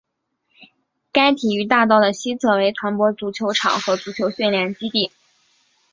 该体育大道的西侧为团泊足球场和足球训练基地。